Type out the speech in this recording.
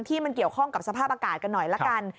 ที่มันเกี่ยวข้องกับสภาพอากาศกันหน่อยละกัน